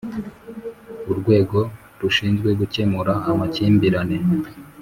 urwego rushinzwe gukemura amakimbirane.